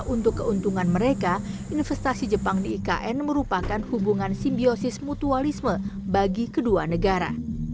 untuk keuntungan mereka investasi jepang di ikn merupakan hubungan simbiosis mutualisme bagi kedua negara